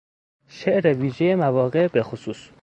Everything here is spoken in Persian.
شعر ویژهی مواقع بخصوص